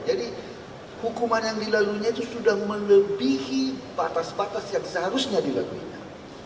jadi hukuman yang dilalunya itu sudah melebihi batas batas yang seharusnya dilakuinya